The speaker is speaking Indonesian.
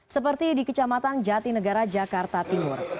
seperti di kecamatan jatinegara jakarta timur